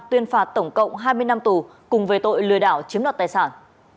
tuyên phạt tổng cộng hai mươi năm tù cùng về tội lừa đảo chiếm đoạt tài sản